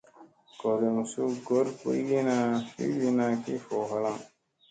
Gooryom suu goor boygina vi wiina ki voo halaŋ.